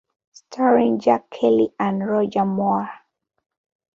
Starring Jack Kelly and Roger Moore!